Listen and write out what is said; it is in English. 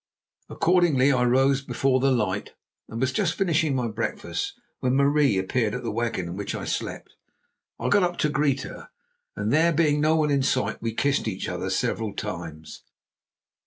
Accordingly, I rose before the light, and was just finishing my breakfast when Marie appeared at the wagon in which I slept. I got up to greet her, and, there being no one in sight, we kissed each other several times.